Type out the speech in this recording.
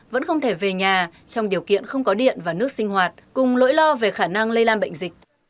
vẫn không thể về nhà trong điều kiện không có điện và nước sinh hoạt cùng lỗi lo về khả năng lây lan bệnh dịch